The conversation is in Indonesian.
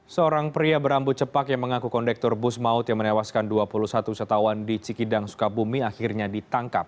seorang pria berambut cepat yang mengaku kondektur bus maut yang menewaskan dua puluh satu setawan di cikidang sukabumi akhirnya ditangkap